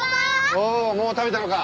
おおもう食べたのか。